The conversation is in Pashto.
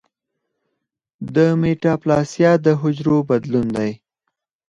د میټاپلاسیا د حجرو بدلون دی.